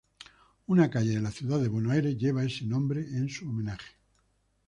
Una calle de la ciudad de Buenos Aires lleva ese nombre en su homenaje.